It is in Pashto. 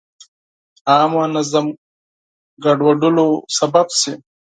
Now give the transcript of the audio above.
عامه نظم ګډوډولو سبب شي.